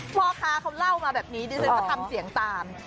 พ่อค้าเขาเล่ามาแบบนี้ดิฉันก็ทำเสียงตาม